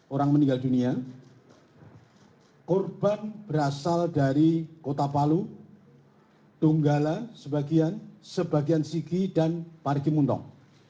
satu dua ratus tiga puluh empat orang meninggal dunia korban berasal dari kota palu donggala sebagian sigi dan parigimotong